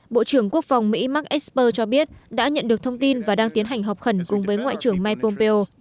bộ trưởng quốc phòng mỹ mark esper cho biết đã nhận được thông tin và đang tiến hành họp khẩn cùng với ngoại trưởng mike pompeo